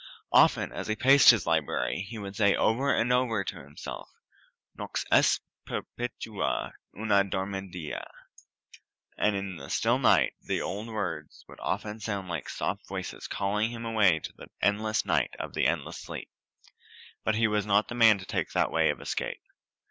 Often, as he paced his library, he would say over and over to himself, Nox est perpetua una dormienda and in the still night the old words would often sound like soft dark voices calling him away into the endless night of the endless sleep. But he was not the man to take that way of escape.